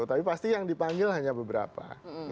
tapi pasti yang dipanggil hanya beberapa